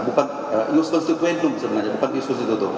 bukan ius constituentum sebenarnya bukan ius constitutum